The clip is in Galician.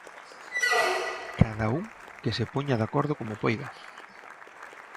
Cada un que se poña de acordo como poida.